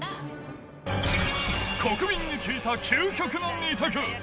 国民に聞いた究極の２択！